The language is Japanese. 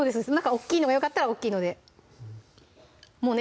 大っきいのがよかったら大っきいのでもうね